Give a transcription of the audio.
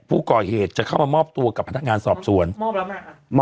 ผู้ก่อเหตุจะเข้ามามอบตัวกับพนักงานสอบสวนมอบแล้วไหมคะ